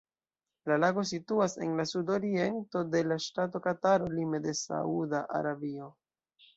La lago situas en la sudoriento de la ŝtato Kataro lime de Sauda Arabio.